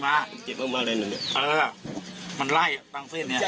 ถ้านี้มาเออมันไล่ตั้งเส้นเนี่ย